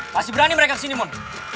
pasti berani mereka kesini mon